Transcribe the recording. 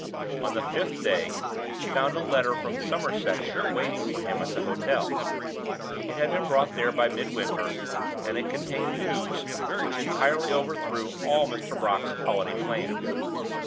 On the fifth day he found a letter from Somersetshire waiting for him at the hotel. It had been brought there by Midwinter, and it contained news which entirely overthrew all Mr. Brock's holiday plans.